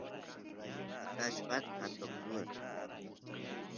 atallpasta atoq swan